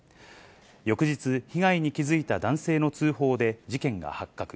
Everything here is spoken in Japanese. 翌日、被害に気付いた男性の通報で事件が発覚。